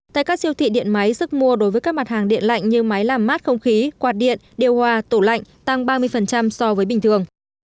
tại các siêu thị điện máy sức mua đối với các mặt hàng điện lạnh như máy làm mát không khí quạt điện điều hòa tủ lạnh tăng ba mươi so với bình thường